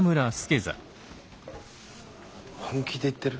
本気で言ってる？